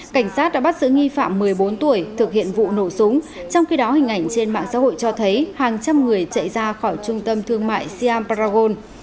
cảnh sát đã bắt giữ nghi phạm một mươi bốn tuổi thực hiện vụ nổ súng trong khi đó hình ảnh trên mạng xã hội cho thấy hàng trăm người chạy ra khỏi trung tâm thương mại siam bragon